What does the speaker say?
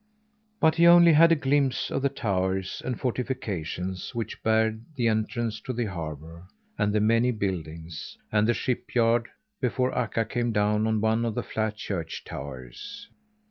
But he only had a glimpse of the towers and fortifications which barred the entrance to the harbour, and the many buildings, and the shipyard before Akka came down on one of the flat church towers.